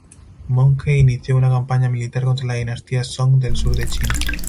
Möngke inició una campaña militar contra la dinastía Song del sur de China.